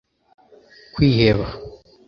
kwiheba